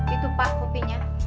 itu pak kopinya